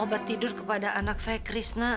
obat tidur kepada anak saya krishna